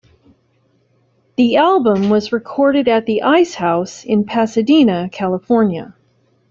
The album was recorded at The Ice House in Pasadena, California.